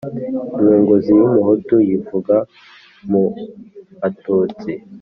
Inkunguzi y’umuhutu yivuga mu batutsi.